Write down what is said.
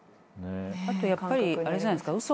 あとやっぱりあれじゃないですか。